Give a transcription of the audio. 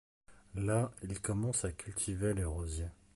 Là il commence à cultiver les rosiers.